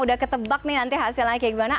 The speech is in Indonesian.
udah ketebak nih nanti hasilnya kayak gimana